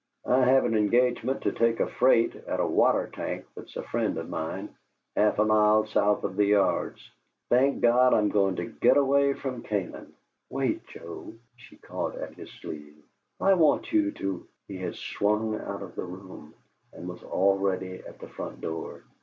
"I have an engagement to take a freight at a water tank that's a friend of mine, half a mile south of the yards. Thank God, I'm going to get away from Canaan!" "Wait, Joe!" She caught at his sleeve. "I want you to " He had swung out of the room and was already at the front door.